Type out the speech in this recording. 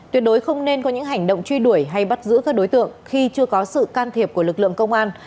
tuyệt đối không nên có những hành động truy đuổi hay bắt giữ các đối tượng khi chưa có sự can thiệp của lực lượng công an